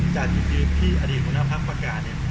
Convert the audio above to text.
จากจริงที่อดีตคุณภาพประกาศเนี่ย